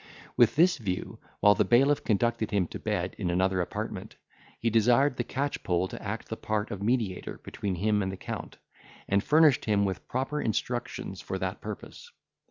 With this view, while the bailiff conducted him to bed in another apartment, he desired the catchpole to act the part of mediator between him and the Count, and furnished him with proper instructions for that purpose.